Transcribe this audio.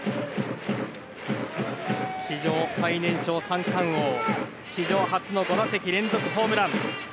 史上最年少三冠王史上初の５打席連続ホームラン。